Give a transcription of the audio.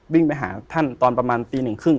วิ่งไปหาท่านตอนประมาณตี๑๓๐